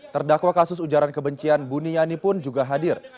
terdakwa kasus ujaran kebencian buniani pun juga hadir